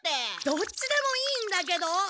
どっちでもいいんだけど！